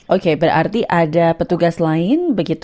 oke berarti ada petugas lain begitu